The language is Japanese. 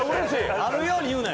あるように言うなよ。